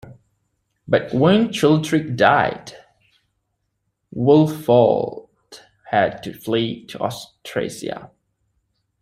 But when Childeric died, Wulfoald had to flee to Austrasia.